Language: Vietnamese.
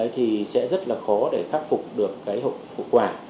thì sẽ rất là khó để khắc phục được cái hộp quả